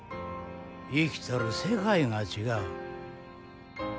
生きとる世界が違う。